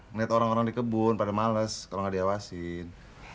ngeliat orang orang di kebun pada males kalau nggak diawasin